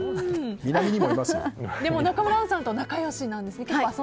中村アンさんとは仲良しなんですね。